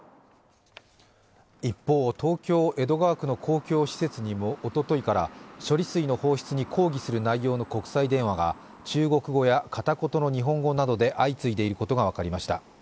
一方、東京・江戸川区の公共施設にもおとといから処理水の放出に抗議する内容の国際電話が中国語や片言の日本語などで相次いでいることが分かりました。